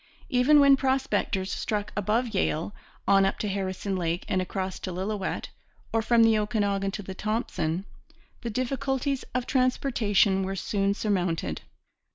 Even when prospectors struck above Yale, on up to Harrison Lake and across to Lillooet, or from the Okanagan to the Thompson, the difficulties of transportation were soon surmounted.